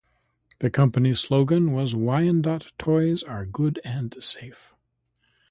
The company's slogan was Wyandotte Toys are Good and Safe.